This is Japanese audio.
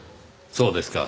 そうですか。